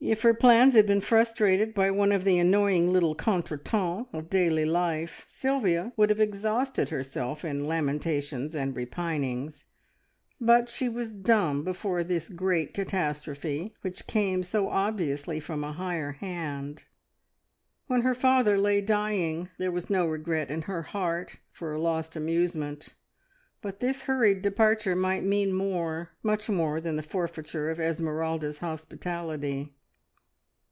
If her plans had been frustrated by one of the annoying little contretemps of daily life, Sylvia would have exhausted herself in lamentations and repinings, but she was dumb before this great catastrophe, which came so obviously from a higher Hand. When her father lay dying, there was no regret in her heart for a lost amusement, but this hurried departure might mean more much more than the forfeiture of Esmeralda's hospitality.